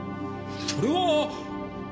それは！